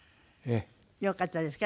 よかったですか？